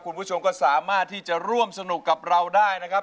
คุณผู้ชมก็สามารถที่จะร่วมสนุกกับเราได้นะครับ